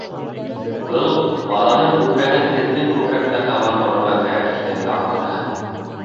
Был, баланың күкрәген һеҙҙең күкрәккә табан борорға кәрәк, тигәнде аңлата.